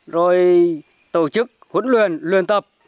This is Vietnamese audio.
rồi tổ chức huấn luyện luyện tập